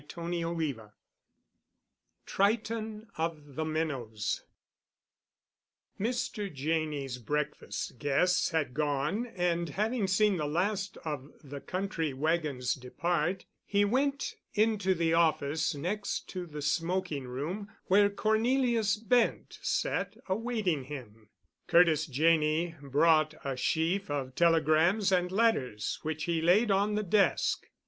*CHAPTER X* *TRITON OF THE MINNOWS* Mr. Janney's breakfast guests had gone, and, having seen the last of the country wagons depart, he went into the office next to the smoking room, where Cornelius Bent sat awaiting him. Curtis Janney brought a sheaf of telegrams and letters which he laid on the desk.